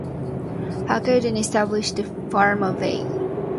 Packer then established the firm of A.